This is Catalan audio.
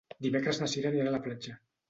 Dimecres na Cira anirà a la platja.